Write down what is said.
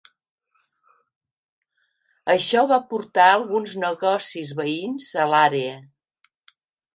Això va portar alguns negocis veïns a l'àrea.